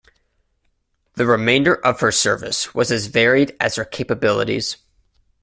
The remainder of her service was as varied as her capabilities.